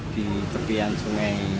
di tepian sungai